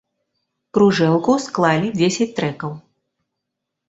Кружэлку склалі дзесяць трэкаў.